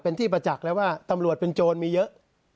เป็นที่ประจักษ์แล้วว่าตำรวจเป็นโจรมีเยอะ